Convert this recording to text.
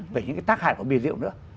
về những cái tác hại của bia rượu nữa